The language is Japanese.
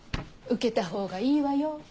受けたほうがいいわよ。